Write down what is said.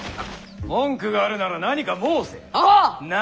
文句があるなら何か申せ。阿呆！何！？